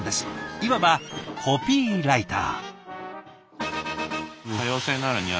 いわばコピーライター。